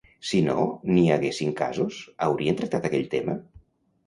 Si no n'hi haguessin casos, haurien tractat aquell tema?